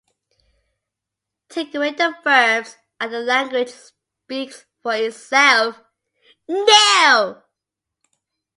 Take away the verbs and the language speaks for itself.